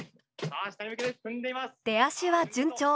出足は順調。